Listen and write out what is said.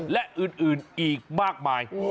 และอื่นอีกมากมาย